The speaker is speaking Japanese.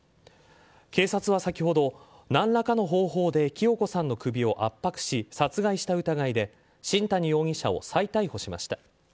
警察は先ほど何らかの方法で清子さんの首を圧迫し、殺害した疑いで新谷容疑者を再逮捕しました。